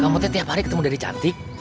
kamu teh tiap hari ketemu dedeh cantik